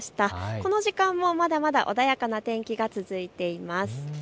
この時間もまだまだ、穏やかな天気が続いています。